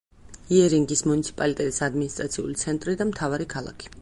იერინგის მუნიციპალიტეტის ადმინისტრაციული ცენტრი და მთავარი ქალაქი.